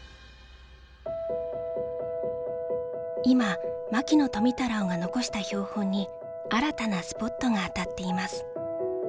今牧野富太郎が残した標本に新たなスポットが当たっています。